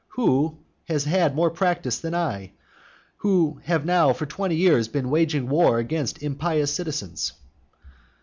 Who has had more practice than I, who have now for twenty years been waging war against impious citizens?